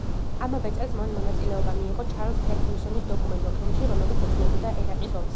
ამავე წელს მან მონაწილეობა მიიღო ჩარლზ ფერგიუსონის დოკუმენტურ ფილმში, რომელიც ეძღვნებოდა ერაყის ომს.